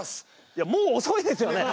いやもう遅いですよね。